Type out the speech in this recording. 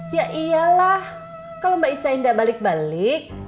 ya iyalah kalo mbak isah indah balik balik